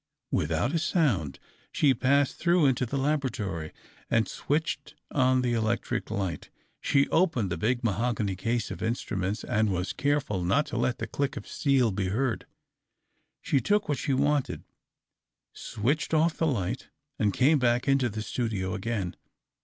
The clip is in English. Without a sound she passed through into the laboratory and switched on the electric light. She opened the big mahogany case of instruments, and was careful not to let the click of steel be heard. She took what she wanted, switched off the light, and came back into the studio again.